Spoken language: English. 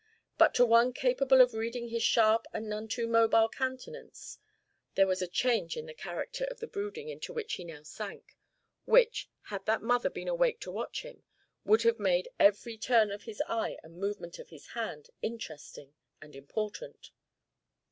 But, to one capable of reading his sharp and none too mobile countenance, there was a change in the character of the brooding into which he now sank, which, had that mother been awake to watch him, would have made every turn of his eye and movement of his hand interesting and important.